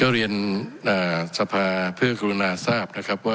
เรียนสภาพภิกุณาทราพ